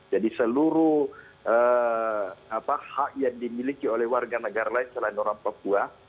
jadi seluruh hak yang dimiliki oleh warga negara lain selain orang papua